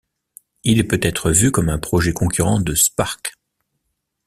Il peut-être vu comme un projet concurrent de Spark.